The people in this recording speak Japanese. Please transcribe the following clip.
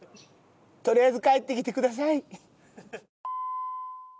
とりあえず帰ってきてください。